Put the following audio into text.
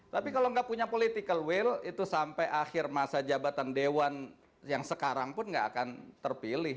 tapi kalau nggak punya political will itu sampai akhir masa jabatan dewan yang sekarang pun nggak akan terpilih